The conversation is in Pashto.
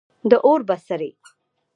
د اور بڅری